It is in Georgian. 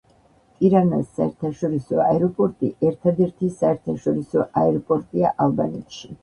ტირანას საერთაშორისო აეროპორტი ერთადერთი საერთაშორისო აეროპორტია ალბანეთში.